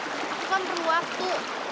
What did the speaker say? aku kan perlu waktu